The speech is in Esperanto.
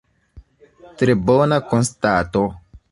Tre bona konstato.